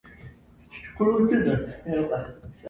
A multitude of women besought the Prince of Lithuania to stop him.